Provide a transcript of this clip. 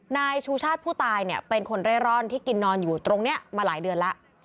นายชูชาติผู้ตายเนี่ยเป็นคนเร่ร่อนที่กินนอนอยู่ตรงนี้มาหลายเดือนแล้ว